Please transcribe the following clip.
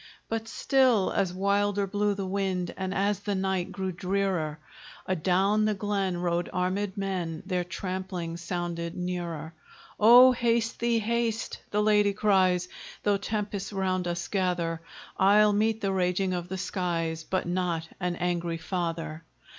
But still as wilder blew the wind, And as the night grew drearer, Adown the glen rode armèd men, Their trampling sounded nearer. "O haste thee, haste!" the lady cries, "Though tempests round us gather, I'll meet the raging of the skies, But not an angry father."